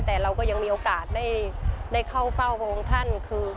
แต่เราก็ยังมีโอกาสได้เข้าเฝ้าพระองค์ท่านคือ